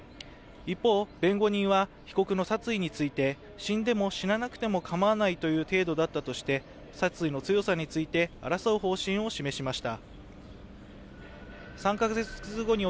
一方、弁護人は被告の殺意について、死んでも死ななくても構わないという程度だったとして殺意の強さについて争う方針を示しました。